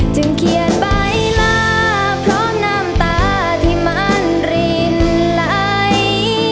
เขียนใบลาเพราะน้ำตาที่มันรินไหล